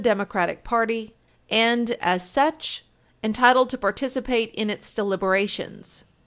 657 Democratic party and, as such, entitled to participate in its deliberations."